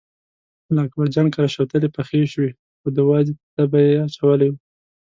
له اکبرجان کره شوتلې پخې شوې او د وازدې تبی یې اچولی و.